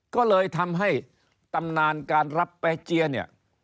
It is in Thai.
ก็เลยทำให้ตำนานการรับแปเจียเนี่ย